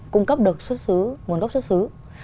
cung cấp được xuất xứ nguồn gốc xuất xứ